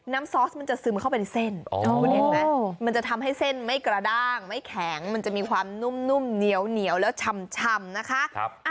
ซอสมันจะซึมเข้าเป็นเส้นคุณเห็นไหมมันจะทำให้เส้นไม่กระด้างไม่แข็งมันจะมีความนุ่มเหนียวแล้วชำนะคะ